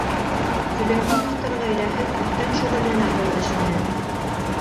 Сөләймәновтар ғаиләһе күптән шөғөлләнә был эш менән.